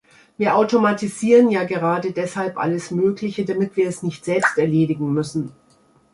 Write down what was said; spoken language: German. Wir automatisieren ja gerade deshalb alles Mögliche, damit wir es nicht selbst erledigen müssen.